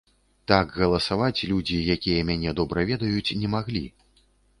Так галасаваць людзі, якія мяне добра ведаюць, не маглі.